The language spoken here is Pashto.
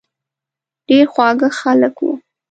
ډېر خواږه خلک وو.